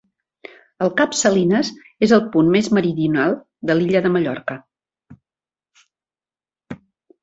El Cap Salines és el punt més meridional de l'illa de Mallorca.